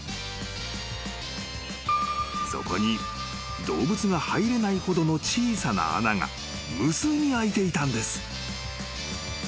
［そこに動物が入れないほどの小さな穴が無数に開いていたんです］